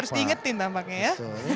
harus diingetin tampaknya ya